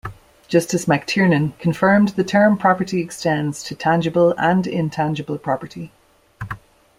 Justice McTiernan confirmed the term property extends to tangible and intangible property.